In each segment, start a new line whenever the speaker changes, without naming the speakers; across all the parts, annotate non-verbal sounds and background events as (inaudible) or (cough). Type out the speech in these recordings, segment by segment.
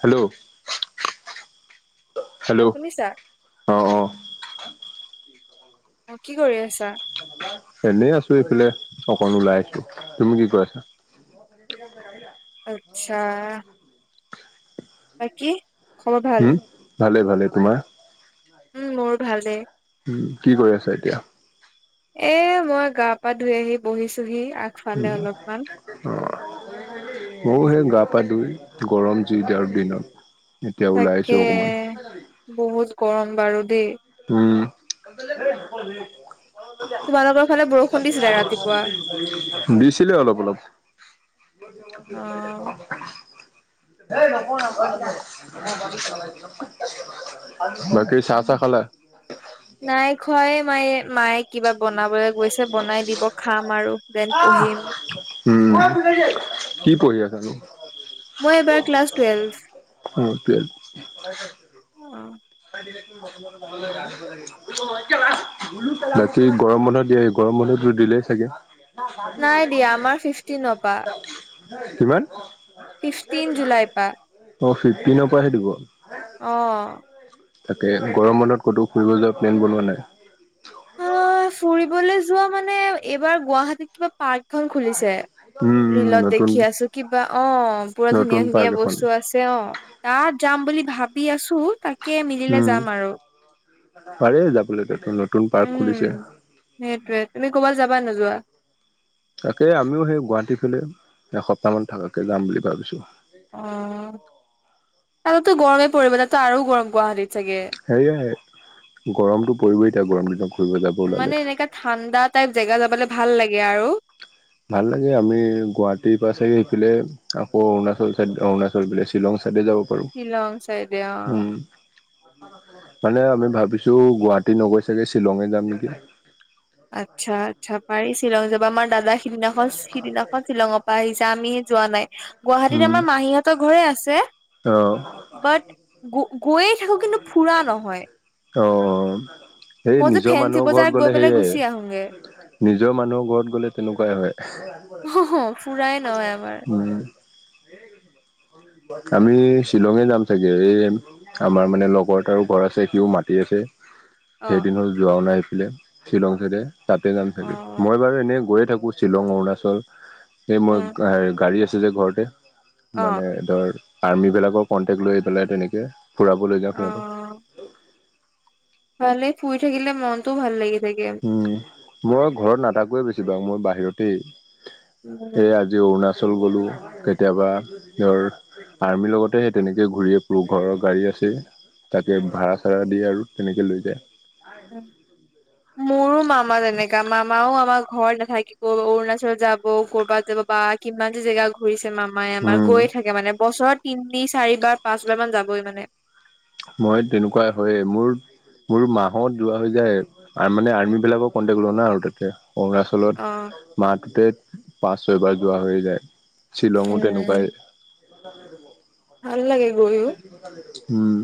Hello. Hello অঁ অঁ।
অ' কি কৰি আছা?
এনেই আছো এইফালে। অকণ ওলাই আহিছো। তুমি কি কৰি আছা?
আচ্ছা। বাকী খবৰ ভাল?
হম ভালে ভালে। তোমাৰ?
উম, মোৰ ভালেই।
কি কৰি আছা এতিয়া?
এ' মই গা-পা ধুই আহি বহিছোহি। আগফালে
অঁ
অলপমান।
মইও হে গা- পা দুই গৰম জুই যি আৰু দিনত। এতিয়া ওলাই আহিছো
তাকে'
অকমান
বহুত গৰম বাৰু দেই।
উমঁ।
তোমালোকৰ ফালে বৰষুণ দিছিলে ৰাতিপুৱা?
(unintelligible) দিছিলে অলপ অলপ।
অ'। (inaudible)
বাকী চাহ তা খালা।
নাই খোৱাই নাই মই। মায়ে কিবা বনাবলৈ গৈছে বনাই দিব খাম আৰু দেন পঢ়িম।
উমঁ। কি পঢ়ি আছানো?
মই এইবাৰ ক্লাছ টুৱেলভ।
(unintelligible)
অ'
বাকী গৰম বন্ধ দিয়ে গৰম- গৰম বন্ধটো দিলেই চাগে।
নাই দিয়া আমাৰ ফিফটিনৰ পা,
কিমান?
ফিফটিন জুলাই পা।
অ ফিফটিনৰ পৰাহে দিব
অ
তাকে গৰম বন্ধত ক'তো ফুৰিব যোৱা প্লেন বনোৱা নাই
অ ফুৰিবলৈ যোৱা মানে এইবাৰ গুৱাহাটীত কিবা পাৰ্ক
হয় (inaudible)
ৰিলত দেখি আছো কিবা অ পুৰা
নতুন
ধুনীয়া
পাৰ্ক
ধুনীয়া
এখন
বস্তু আছে অ তাত যাম বুলি ভাবি আছো তাকে মিলিলে
উম
যাম আৰু
পাৰে যাবলৈ দে
উম সেইটোৱে তুমি ক'বালৈ যাবা নোযোৱা
তাকে আমিও সেই গুৱাহাটী ফালে এসপ্তাহ মান থাকাকে যাম বুলি ভাবিছো
অ তাতো গৰমেই পৰিব তাতো আৰু গৰম গুৱাহাটীত চাগে
সেয়াই গৰমতটো পৰিবই এতিয়া গৰম দিনত ঘুৰিব যাব ওলালে
মানে এনেকা ঠাণ্ডা টাইপ জেগা যাবলে ভাল লাগে আৰু
ভাল লাগে আমি গুৱাহাটীৰ পৰা চাই আহি পেলাই আকৌ অৰুণাচল চাইদ অৰুণাচল বোলে শ্বিলং চাই ডে যাব পাৰো
শ্বিলং চাইডে অ
উম মানে আমি ভাবিছো গুৱাহাটী নগৈ চাগে শ্বিলঙে যাম নেকি
আচ্ছা আচ্ছা পাৰি শ্বিলং যাবা আমাৰ দাদা সিদিনাখন সিদিনাখন শ্বিলঙৰ পৰা আহিছে আমি যোৱা নাই গুৱাহাটীত আমাৰ মাহীহঁতৰ ঘৰে আছে
অহ
বাট গ গৈয়ে থাকো কিন্তু ফুৰা নহয়
অ অ সেই
মই যে
নিজৰ
ফেঞ্চি
মানুহৰ ঘৰত
বজাৰত গৈ
গ'লে
পেলাই
সেইয়াই
গুচি আহোগে
নিজৰ মানুহৰ ঘৰত গলে তেনেকোৱাই হয়
অ হ অ ফুৰাই নহয় আমাৰ
উম আমি শ্বিলঙে যাম চাগে এই আমাৰ মানে লগত তাৰো ঘৰ আছে সিও মাতি আছে
অ
এদিনো যোৱা নাই এইফালে শ্বিলং চাইদে তাতে যাম
অ
চাগে মই বাৰু এনেই গৈয়ে থাকোঁ শ্বিলং অৰুণাচল এই মই
উম
গাড়ী আছে নিজৰ ঘৰতে
অ
মানে ধৰ আৰ্মী বিলাকৰ কন্টেক্ট লৈ পেলাই তেনেকে ফুৰাব লৈ যাওঁ সিহঁতক
অ ভালে ফুৰি থাকিলে মনটোও ভাল লাগে
উম মই ঘৰত নাথাকোয়ে বেছি ভাগ মই বাহিৰতেই
উম
এই আজি অৰুণাচল গ'লো কেতিয়াবা ধৰ আৰ্মিৰ লগতে সেই তেনেকে ঘূৰিয়ে ফুৰো ঘৰৰ গাড়ী আছে তাকে ভাড়া চড়া দিয়ে আৰু তেনেকে লৈ যাওঁ
উম। মোৰো মামা তেনেকা মামাও আমাৰ ঘৰত নাথাকিব অৰুণাচল যাব ক'বাত যাব বা কিমান যে জেগা ঘূৰিছে মামাই আমাৰ
উম,
গৈয়ে থাকে মানে বছৰত তিনি চাৰিবাৰ পাঁচবাৰ মান যাবই মানে
মই তেনেকোৱা হয়ে মোৰ মোৰ মাহত যোৱা হৈ যায় মানে আৰ্মি বিলাকৰ কণ্টেক লও না আৰু তাতে
অ
অৰুণাচলত মাহটোতে পাঁচ ছয়বাৰ যোৱা হৈ যায় শ্বিলঙো
উম
তেনেকোৱাই
ভাল লাগে গৈও
উম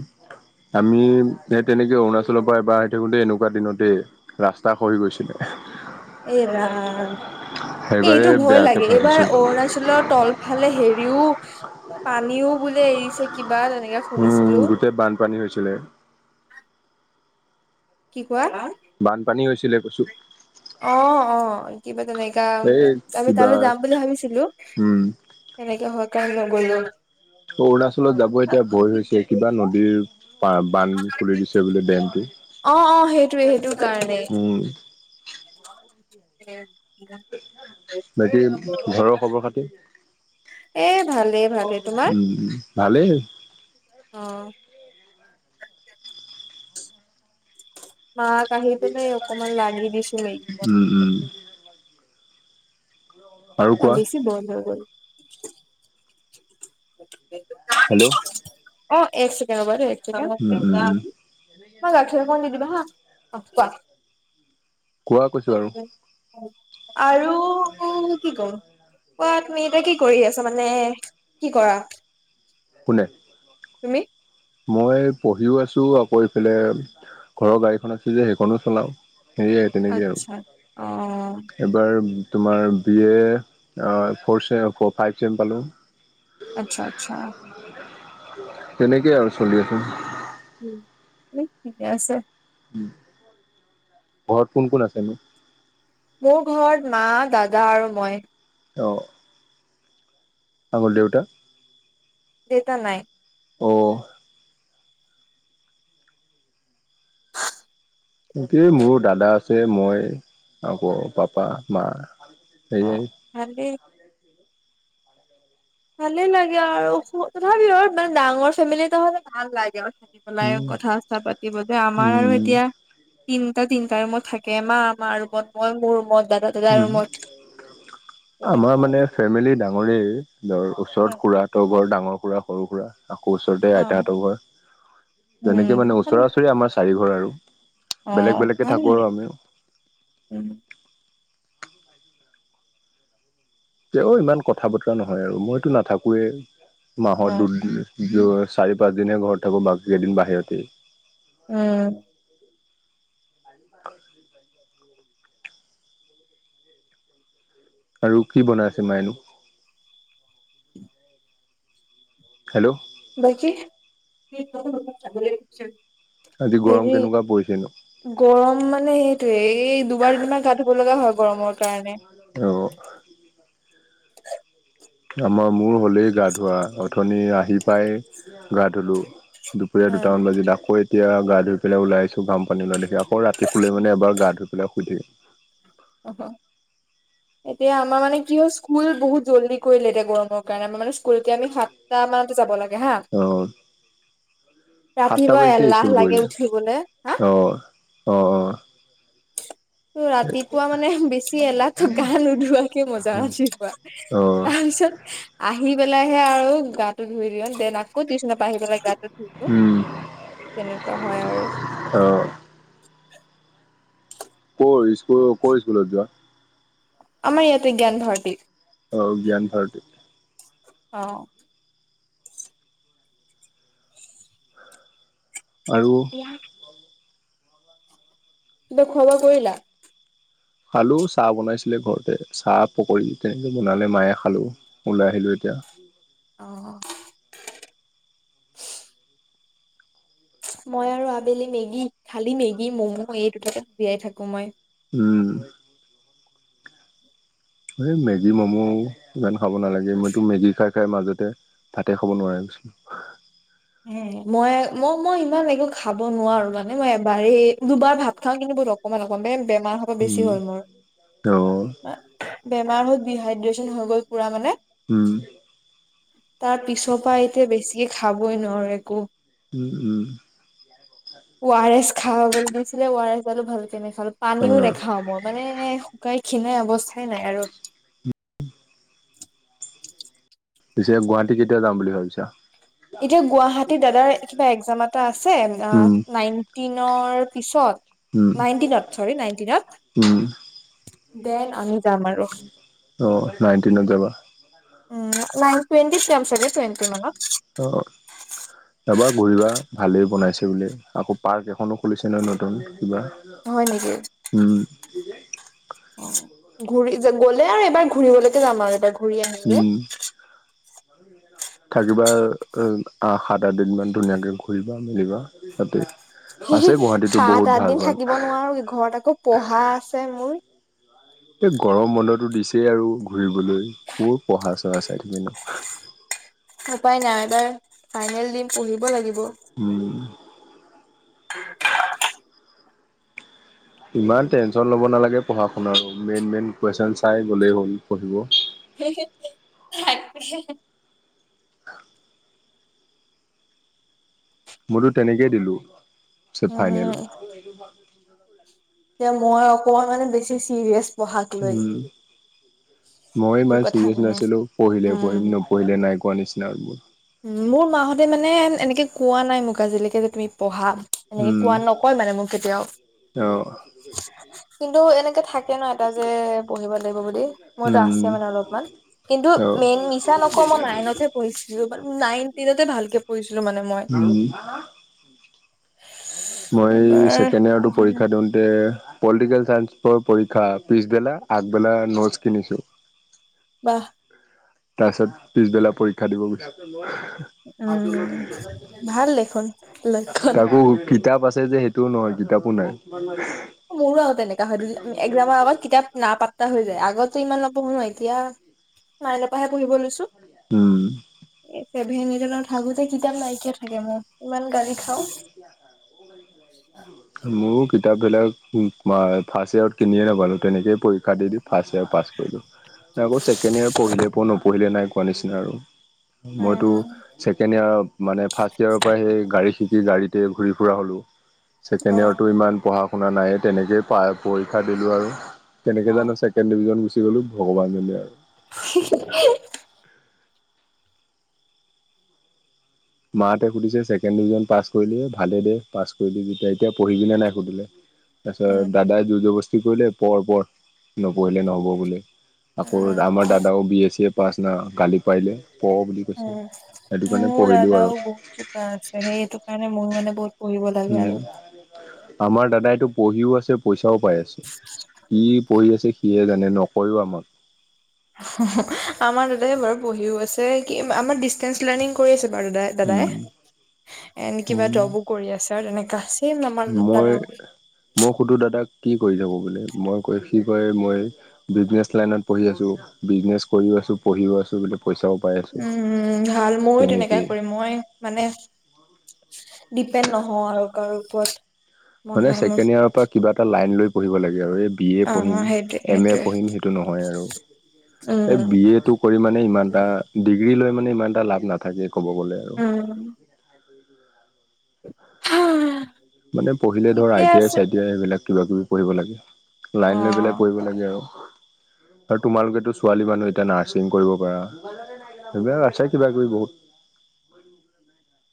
আমি সে তেনেকে অৰুণাচলৰ পৰা এবাৰ আহি থাকোতে এনেকোৱা দিনতে ৰাস্তা খহি গৈছিলে
(inaudible) এ ৰাম এই
সেইবাৰে
এইটো ভয়
বেয়াকে
লাগে এইবাৰ
ফাচিছো
অৰুণাচলৰ তলফালে হেৰিও পানীও বোলে এৰিছে কি বা তেনেকে
উম,
শুনিছিলো
গোটেই বানপানী হৈছিলে।
কি কোৱা
বানপানী হৈছিলে কৈছো
অ অ কিবা তেনেকা
এই
আমি
কিবা
তালৈ যাম বুলি ভাবিছিলো।
উম,
তেনেকে হয় কাৰণ, ল গ
অৰুণাচলত যাব এতিয়া ভয় হৈছে, কিবা নদীৰ বান্ধ খুলি দিছে বোলে ডেমটো।
অ অ সেইটোৱে সেইটো কাৰণেই।
অ'
উম' এ
বাকি ঘৰৰ খবৰ খাতি?
ভালেই ভালেই তোমাৰ
উম ভালেই
অ মাক আহি পিনে অকমান লাগি দিছো
উম, উম, আৰু
অ
কোৱা?
বেছি বইল হৈ গ'ল কি? (inaudible)
হেল্ল'
অ এক ছেকেণ্ড ৰবা দে এক ছেকেণ্ড,
উম, উম, উম,
গাখীৰ অকন দি দিব হা কোৱা
কোৱা কৈছোঁ আৰু
আৰু কি ক'ম, কোৱা তুমি এতিয়া কি কৰি আছা মানে? কি কৰা?
কোনে?
তুমি?
মই পঢ়িও আছো আকৌ এইফালে, ঘৰৰ গাড়ীখন আছে যে সেইখনো চলাও সেয়াই তেনেকেই,
আচ্ছা অ
এবাৰ তোমাৰ বি এ ফ'ৰ চেম, ফ ফাইভ চেম পালোঁ।
আচ্ছা আচ্ছা
তেনেকেই আৰু চলি আছে।
ঠিকে আছে।
ঘৰত কোন কোন আছে নো?
মোৰ ঘৰত মা, দাদা আৰু মই।
অ' আক দেউতা?
দেটা নাই।
অ' একে মোৰো দাদা আছে, মই আকৌ পাপা, মা। সেয়াই।
অ' ভালেই। ভালে লাগে আৰু তথাপিও মানে ডাঙৰ ফেমিলি হ'লে ভাল লাগে। পেলাই,
উম,
কথা-চথা পাতিব যে, আমাৰ আৰু
উম,
এতিয়া তিনিটা তিনিটা ৰোমত থাকে মা মাৰ ৰোমত, মই মোৰ ৰোমত।
উম' আমাৰ মানে ফেমিলি ডাঙৰ ডাঙৰে ধৰ ওচৰত খুৰা হতৰ ঘৰ ডাঙৰ খুৰা, সৰু খুৰা। আকৌ ওচৰতে
অ
আইতাহতৰ ঘৰ, যেনেকে
উম
মানে ওচৰা ওচৰি আমাৰ চাৰি ঘৰ আৰু।
অ
বেলেগ, বেলেগে
ভাল
থাকোঁ
লাগে
আৰু আমিও।
উম
তেওঁ ইমান কথা বতৰা নহয়, আৰু মইতো নাথাকোৱে
অ
মাহত দুদিন য চাৰি, পাঁচ দিনে ঘৰ থাকো বাকি কেইদিন বাহিৰতে।
উম
(unintelligible) আৰু কি বনাইছে মায়ে নো। হেল্ল'
বাকি
আজি গৰম কেনেকুৱা পৰিছে?
গৰম মানে সেইটোয়ে এই দুবাৰ, তিনিবাৰ গা ধুব লগা হয় গৰমৰ কাৰণে।
অহ' আমাৰ মূৰ হ'লেই গা ধোৱা, অথনি আহি পাই গা ধুলোঁ। দুপৰীয়া দুটামান বজাত আকৌ এতিয়া গা ধুই পেলাই ওলাইছো, ঘাম পানী ওলাই লেতেয়া আকৌ ৰাতি শুলে মানে এবাৰ গা ধুই পেলাই শুইধিম।
অহ' এতিয়া আমাৰ মানে কি হল স্কুল বহুত জল্দি কৰিলে এতিয়া গৰমৰ কাৰণে আমাৰ মানে স্কুলকে আমি সাতটা মানতে যাব লাগে হা
অ সাতটা
ৰাতিপুৱা
বাজিতে
এলাহ
স্কুল
লাগে
কৰিলে
উঠিবলে
আহ
হা
(unintelligible) অঁ
ত ৰাতিপুৱা মানে বেছি এলাহ ত গা নোধোৱাকে মই জা আজি পৰা
অ অ
তাৰপিছত আহি আহি পেলাইহে আৰু গাটো ধুই লও দেন আকৌ টিউচনৰ আহি পেলাই গাত
উম
তেনেকুৱা হয় আৰু
অ ক' স্কুল ক' স্কুলত যোৱা
আমাৰ ইয়াতে জ্ঞান ভাৰটি
অঁ জ্ঞান ভাৰটী
অ
আৰু
কিবা কিন্তু খোৱা বোৱা কৰিলা
খালো চাহ বনাইছিলে ঘৰতে চাহ পকৰি তেনেকে বনালে মায়ে খালো ওলাই আহিলো এয়া দিয়া।
আহ মই আৰু আবেলি মেগী খালি মেগী মমো এই দুটাকে জীয়াই থাকো মই
উম এই মেগী ম'ম' ইমান খাব নালাগে মইতো মেগি খাই খাই মাজতে ভাতে খাব নোৱাৰা হৈ গৈছিলো
হ মই মই মই ইমান একো খাব নোৱাৰো মানে মই এবাৰেই দুবাৰ ভাত খাও কিন্তু ব লগ অকমান অকমান বে বেমাৰ হব বেছি
উম
হ'ল মোৰ
অ
বেমাৰ হ'ল ডিহাইড্ৰেচন হৈ গ'ল পুৰা মানে
উম
তাৰ পিছৰ পৰা এতিয়া বেছি খাবই নোৱাৰো একো
উম উম
আৰ এছ খা বুলি দিছিলে আৰ এছ খালো ভাল (unintelligible) তেনে খাল
অ
পানীও নাখাও মই মানে শুকাই খীণাই অৱস্তা টাই নাই আৰু
পিছে গুৱাহাটী কেতিয়া যাম বুলি ভাবিছা
এতিয়া গুৱাহাটী দাদাৰ কিবা এক্জাম এটা আছে
উম
নাইন (unintelligible) টি পিছত
উম
নাইনটিনত চৰি নাইনটিনত
উম
দেন (unintelligible)
অ নাইনটিনত যাবা
উম নাইন টুৱেণ্টি যাম চাগে টুৱেণ্টি মানত
অ যাবা ঘূৰিবা ভালেই বনাইছে ব আকৌ পাৰ্ক এখনো খুলিছে নহয় নতুন কিবা
হয় নেকি
উম
ঘূৰি গ'লে আৰু এবাৰ ঘূৰিবলৈকে যাম আৰু এবাৰ ঘূৰি আহিলে
উম
(unintelligible)
থাকিবা আহ সাত আঠ দিন মান ধুনীয়াকে ঘূৰিবা মেলিবা তাতে
হে হে
আছে গুৱাহাটীতো
সাত
বহুত
আঠ
ভাল
দিন
ভাল
থাকিব নোৱাৰো ঘৰত আকৌ পঢ়া আছে মোৰ
এই গৰম বন্ধটো দিছেই আৰু ঘূৰিবলৈ ক' পঢ়া চহা চাই থাকি নো
উপায় নাই এবাৰ ফাইনেল দিম পঢ়িব লাগিব (unintelligible)
হম
(unintelligible) (inaudible)
ইমান টেনশ্যন ল'ব নালাগে পঢ়া শুন আৰু মেইন মেইন কুৱেশ্যন চাই গ'লেই হ'ল পঢ়িব
হে হে থাক
আৰু মইতো তেনেকেই দিলোঁ চ ফাইনেল
যে মই অকমান মানে বেছি চিৰিয়াছ পঢ়াক লৈ।
উম মই
সেইটো
ইমান
কথা
চিৰিয়াছ
মানে
নাছিলো পঢ়িলে
উম
পঢ়িম নপঢ়িলে নাই কোৱা নিচিনা আৰু মোৰ।
মোৰ মাহঁতে মানে এনেকে কোৱা নাই মোক আজিলৈকে যে তুমি পঢ়া। এনেকে
উম
কোৱা নকয় মানে মোক কেতিয়াও।
অ
কিন্তু এনেকে থাকে। ন এটা যে পঢ়িব লাগিব বুলি মোৰতো আছে
উম
মানে অলপমান কিন্তু
অ
মেইন মিছা নকওঁ। মই নাইনতে পঢ়িছিলো নাইন টেনত এ ভালকে পঢ়িছিলো মানে মই।
উম মই
এইবাৰ
ছেকেণ্ড ইয়াৰত
পঢ়া নাই
পৰীক্ষা দিওঁতে পলিটিকেল চাইন্সৰ পৰীক্ষা পিছবেলা আগবেলা নোটছ কিনিছো।
ৱাহ!
তাৰ পিছত পিছবেলা পৰীক্ষা দিব গৈছোঁ।
উম ভাল দেখোন লক্ষণ
তাকো কিতাপ আছে (unintelligible) যে সেইটোও নহয় কিতাপো নাই।
মোৰো আৰু তেনেকোৱা হয় দু এক্সামৰ আগত কিতাপ নাপা টা হৈ যায় আগতো ইমান নবঢ়ো নয় এতিয়া নাইনৰ পৰাহে পঢ়িব লৈছো।
উম!
ছেভেন এইটত থাকোতে কিতাপ নাইকিয়া থাকে মোৰ। (unintelligible) খাওঁ
মোৰো কিতাপবিলাক ফাৰ্ষ্ট ইয়াৰত কিনিয়ে নাপালোঁ তেনেকেইে পৰীক্ষা দি দিওঁ। ফাৰ্ষ্ট ইয়োৰ পাছ কৰিলো নাই আকৌ ছেকেণ্ড ইয়াৰ পঢ়িলে পঢ নপঢ়িলে নাই কোৱা নিচিনা আৰু। মইতো
উম
ছেকেণ্ড ইয়াৰ মানে ফাৰ্ষ্ট ইয়াৰৰ পৰা সেই গাড়ী শিকি গাড়ীতে ঘূৰি ফুৰা হ'লো
অ
ছেকেণ্ড ইয়াৰটো ইমান পঢ়া শুনা নায়ে তেনেকে প পৰীক্ষা দিলো আৰু কেনেকে
অ
জানো ছেকেণ্ড ডিভিজন গ'লোঁ ভগৱানে জানে আৰু।
হি হি!
মাসতে সুধিছে ছেকেণ্ড ডিভিজন পাছ কৰিলে ভালে দে পাছ কৰিলি যেতিয়া এতিয়া পঢ়িবিনে নাই সুধিলে? তাৰপিছত
উম
দাদাই জোৰ জবস্তি কৰিলে পঢ় পঢ় নপঢ়িলে নহব বুলি। আকৌ
উম
আমাৰ দাদাও B A C A pass ন গালি পাৰলে। পঢ় বুলি কৈছে সেইটো কাৰণে পঢ়িলো। আৰু
দেউতাও বহুত চোকা আছে সেই সটো কাৰণে মোৰ মানে বহুত। পঢ়িব লাগে
উম
আৰু।
আমাৰ দাদাইটো পঢ়িও আছে পইচা। ও পাই আছে কি পঢ়ি আছে সিয়হে জানে নকৈও আমাক।
আমাৰ দাদাই বাৰু পঢ়িও আছে কি আমাৰ ডিচটেন্স লাৰ্ণিং কৰি আছে। বাৰু দাদাই দাদাই
উম
এনে কিবা
উম
যবো কৰি আছে আৰু তেনেকা। চেম আমাৰ
মই
দাদাও।
মই সুধো দাদাক। কি কৰি যাব বোলে মই কৈ কি কয় মই বিজনেচ লাইনত পঢ়ি আছো বিজনেচ কৰি। আছো পঢ়ও আছো। পইচাও পাই আছো
উম ভাল ময় তেনেকাই
তেনেকেই
কৰিম মই মানে। ডিপেণ্ড নহও আৰু কাৰো। ওপৰত। মন
মানে
নাই মোৰ
ছেকেণ্ড ইয়াৰৰ পৰা কিবা এটা লাইন লৈ পঢ়িব লাগে। আৰু বি এ
অ
পঢ়িম
সেইটোৱে
এম এ
সেইটোৱে
পঢ়িম সেইটো নহয় আৰু। এ
উম
বি এটো কৰি মানে ইমান এটা ডিগ্ৰী। ডিগ্ৰী লৈ মানে ইমান এটা লাভ নাথাকে ক'ব গ'লে আৰু।
উম। সা !
মানে পঢ়িলে ধৰ আই টি আই সিবিলাক কিবা কিবি পঢ়িব লাগে। লাইন লৈ পেলাই
অ।
পঢ়িব লাগে আৰু। আৰু তোমালোকেতো ছোৱালী মানুহ যেতিয়া নাৰ্ছিং কৰিব পাৰা। এইবিলাক আছে কিবা কিবি বহুত।
(unintelligible)